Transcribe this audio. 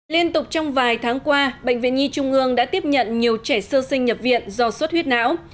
liên tục trong vài tháng qua bệnh viện nhi trung ương đã tiếp nhận nhiều trẻ sơ sinh nhập viện do suốt huyết não